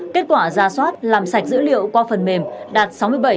kết quả ra soát làm sạch dữ liệu qua phần mềm đạt sáu mươi bảy